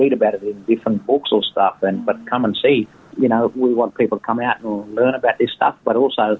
dan menghormati hal hal kita